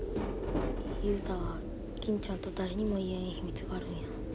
雄太は金ちゃんと誰にも言えん秘密があるんや。